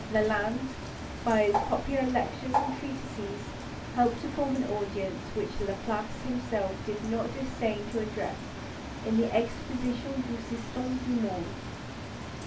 Lalande, by his popular lectures and treatises, helped to form an audience which Laplace himself did not disdain to address in the Exposition du Système du Monde.